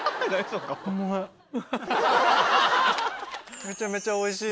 うんめちゃめちゃおいしい。